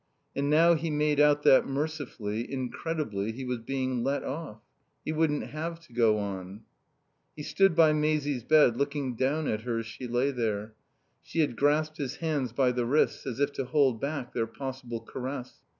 And now he made out that mercifully, incredibly, he was being let off. He wouldn't have to go on. He stood by Maisie's bed looking down at her as she lay there. She had grasped his hands by the wrists, as if to hold back their possible caress.